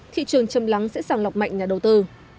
thị trường châm lắng sẽ sàng lọc mạnh nhà đầu tư